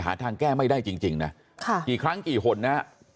หาทางแก้ไม่ได้จริงจริงน่ะค่ะกี่ครั้งกี่ห่วงน่ะ